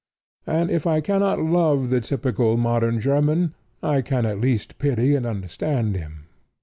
And if I cannot love the typical modern German, I can at least pity and understand him.